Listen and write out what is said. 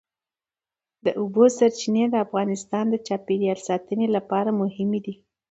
د اوبو سرچینې د افغانستان د چاپیریال ساتنې لپاره مهم دي.